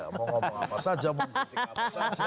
mau ngomong apa saja mau titik apa saja